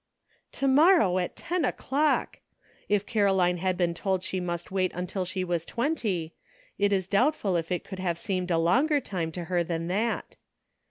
To morrow at ten o'clock ! If Caroline had been told she must wait until she was twenty, it is doubtful if it could have seemed a longer time to her than that.